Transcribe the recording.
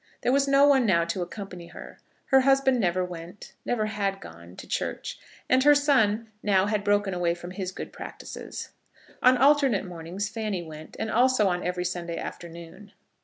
There was no one now to accompany her. Her husband never went, never had gone, to church, and her son now had broken away from his good practices. On alternate mornings Fanny went, and also on every Sunday afternoon.